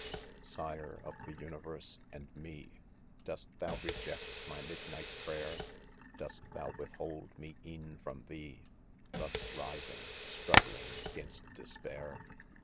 Sire of.the universe, — and me 3 DoFt.*nou reject my midnight prayer ? j)ost thon withhold me e*vn from thee ? T ous writhing, struggling 'gainst. despair